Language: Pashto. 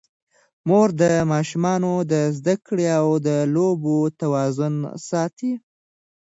مور د ماشومانو د زده کړې او لوبو توازن ساتي.